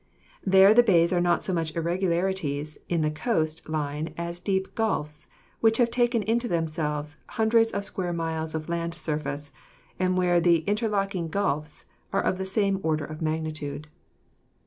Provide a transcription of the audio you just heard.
There the b&ys are not so much irregularities in the coast line as deep gulfs, which have taken into themselves hun dreds of square miles of land surface and where the inter locking gulfs are of the same order of magnitude.